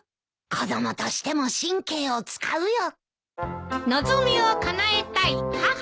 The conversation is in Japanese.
子供としても神経を使うよ。